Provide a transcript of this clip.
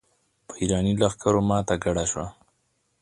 په اېراني لښکرو ماته ګډه شوه.